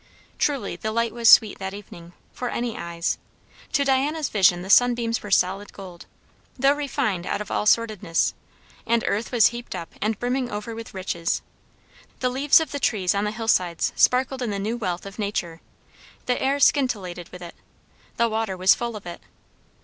Truly the light was sweet that evening, for any eyes; to Diana's vision the sunbeams were solid gold, though refined out of all sordidness, and earth was heaped up and brimming over with riches. The leaves of the trees on the hill sides sparkled in the new wealth of nature; the air scintillated with it; the water was full of it.